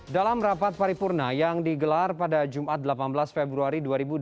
dalam rapat paripurna yang digelar pada jumat delapan belas februari dua ribu dua puluh